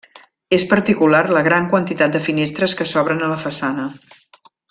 És particular la gran quantitat de finestres que s'obren a la façana.